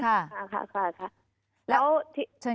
เจ้าหน้าที่แรงงานของไต้หวันบอก